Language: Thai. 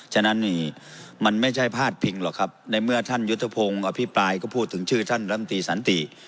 ฉะนั้นนี่มันไม่ใช่พาดพิงหรอกครับในเมื่อท่านยุทธพงศ์อภิปรายก็พูดถึงชื่อท่านลำตีสันติ